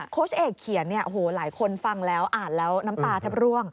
โคชเอกเขียนหูหลายคนฟังแล้วอ่านแล้วน้ำตาแทบร่วง